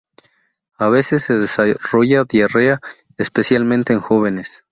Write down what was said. A veces se desarrolla diarrea, especialmente en jóvenes.